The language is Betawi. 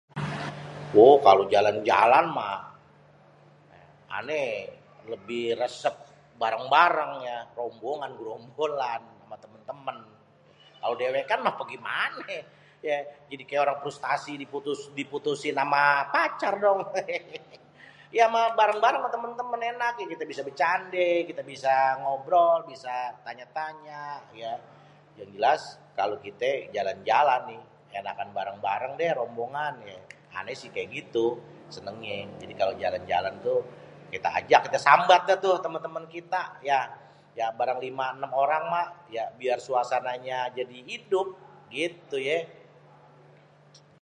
Wo kalo jalan-jalan mah ané lebih resep bareng-bareng ya rombongan, gerombolan ama temen-temen. Kalo dewékan mah begimané jadi kayak orang prustasi diputus, diputusin ama pacar dong hehe. Ya bareng ama temen-temen enak gitu kite bisa becandé, bisa ngobrol, bisa tanya-tanya. Yang jelas kalo kité jalan-jalan nih enakan bareng-bareng deh rombongan. Ané sih kayak gitu senengnyé. Jadi jalan-jalan tuh kita ajak, kita sambat tuh temen-temen kita ya barang lima enem orang mah biar suasananya jadi idup gitu yé.